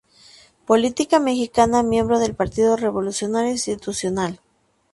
Política mexicana miembro del Partido Revolucionario Institucional.